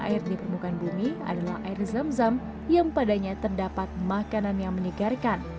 air di permukaan bumi adalah air zam zam yang padanya terdapat makanan yang menyegarkan